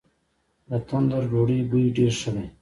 د تندور ډوډۍ بوی ډیر ښه وي.